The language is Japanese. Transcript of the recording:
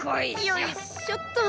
よいしょっと。